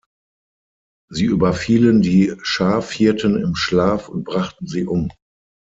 Sie überfielen die Schafhirten im Schlaf und brachten sie um.